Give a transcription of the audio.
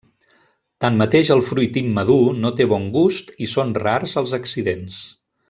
Tanmateix el fruit immadur no té bon gust i són rars els accidents.